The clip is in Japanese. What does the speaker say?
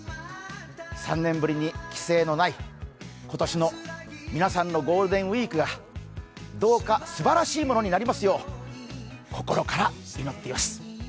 ３年ぶりに規制のない今年の皆さんのゴールデンウイークがどうか、すばらしいものになりますよう、心から祈っています。